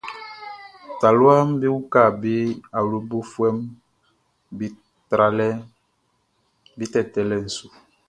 Taluaʼm be uka be awlobofuɛʼm be tralɛʼm be tɛtɛlɛʼn su.